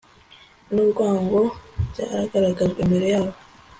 n urwango byagaragajwe mbere yabo